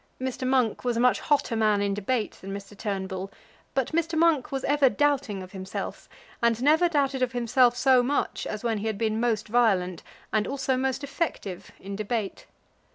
Mr. Monk was a much hotter man in debate than Mr. Turnbull; but Mr. Monk was ever doubting of himself, and never doubted of himself so much as when he had been most violent, and also most effective, in debate.